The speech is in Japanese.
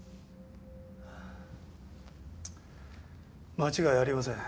間違いありません。